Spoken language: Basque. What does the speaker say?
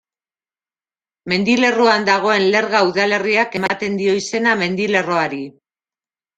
Mendilerroan dagoen Lerga udalerriak ematen dio izena mendilerroari.